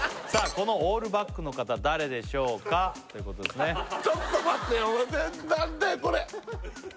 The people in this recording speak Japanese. このオールバックの方誰でしょうか？ということですねちょっと待って何だよ